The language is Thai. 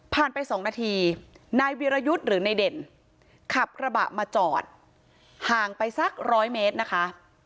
ไป๒นาทีนายวิรยุทธ์หรือในเด่นขับกระบะมาจอดห่างไปสักร้อยเมตรนะคะ